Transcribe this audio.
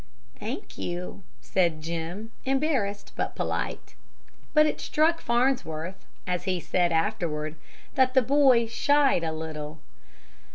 "Thank you," said Jim, embarrassed, but polite. But it struck Farnsworth, as he said afterward, that the boy "shied" a little.